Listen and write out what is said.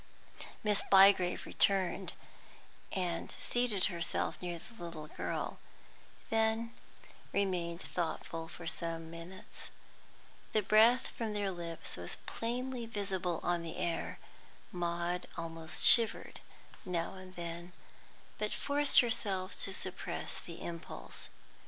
Miss Bygrave returned, and seated herself near the little girl; then remained thoughtful for some minutes. The breath from their lips was plainly visible on the air. Maud almost shivered now and then, but forced herself to suppress the impulse.